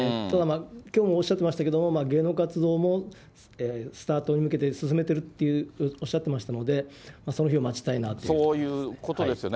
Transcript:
きょうもおっしゃっていましたけれども、芸能活動もスタートに向けて進めてるっておっしゃってましたので、その日を待ちたいなっていうことですね。